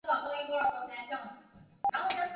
博伊特尔斯巴赫是德国巴伐利亚州的一个市镇。